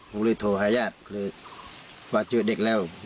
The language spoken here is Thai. ผมเลยโทรหาญาติคือว่าเจอเด็กแล้ว